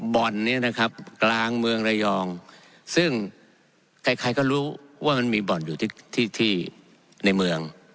บ่อนนี้นะครับกลางเมืองระยองซึ่งใครใครก็รู้ว่ามันมีบ่อนอยู่ที่ที่ในเมือง